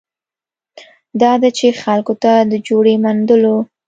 دا ده چې خلکو ته د جوړې موندلو